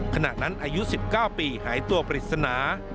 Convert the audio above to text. ขณะนั้นอายุ๑๙ปีหายตัวปริศนา